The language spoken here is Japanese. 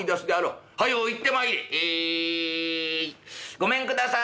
「ごめんください！」。